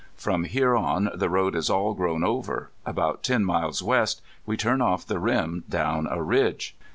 From here on the road is all grown over. About ten miles west we turn off the rim down a ridge."